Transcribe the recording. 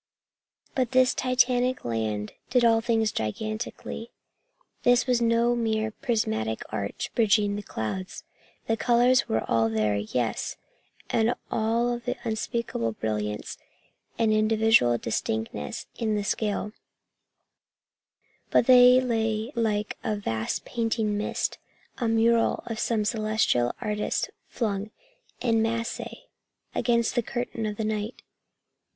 But this titanic land did all things gigantically. This was no mere prismatic arch bridging the clouds. The colors all were there, yes, and of an unspeakable brilliance and individual distinctness in the scale; but they lay like a vast painted mist, a mural of some celestial artist flung en masse against the curtain of the night.